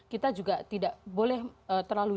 kita juga tidak boleh terlalu